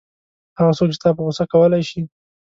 هغه څوک چې تا په غوسه کولای شي.